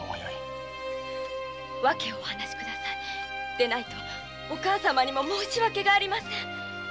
でないとお母様にも申し訳ありません。